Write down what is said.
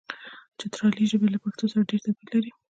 چترالي ژبه له پښتو سره ډېر توپیر لري.